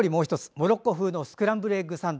モロッコ風のスクランブルエッグサンド。